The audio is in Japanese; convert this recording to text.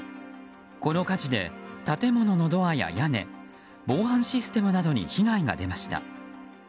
この火事で、建物のドアや屋根防犯システムなどに被害が出ました。